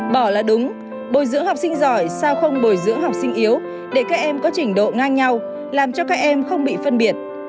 bỏ là đúng bồi dưỡng học sinh giỏi sao không bồi dưỡng học sinh yếu để các em có trình độ ngang nhau làm cho các em không bị phân biệt